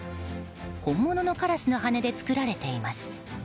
本物のカラスの羽で作られています。